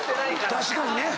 確かにね。